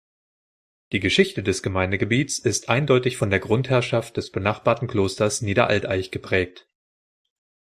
Die Geschichte des Gemeindegebietes ist eindeutig von der Grundherrschaft des benachbarten Klosters Niederaltaich geprägt.